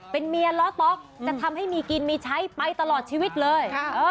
เป็นเมียล้อต๊อกจะทำให้มีกินมีใช้ไปตลอดชีวิตเลย